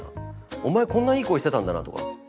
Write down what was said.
「お前こんないい声してたんだな」とか。